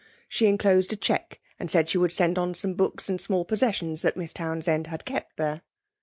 She enclosed a cheque, and said she would send on some books and small possessions that Miss Townsend had kept there.